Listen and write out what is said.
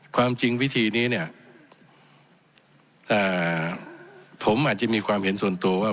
ความจริงวิธีนี้เนี่ยผมอาจจะมีความเห็นส่วนตัวว่า